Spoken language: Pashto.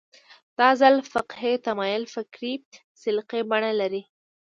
دا ځل فقهي تمایل فکري سلیقې بڼه لري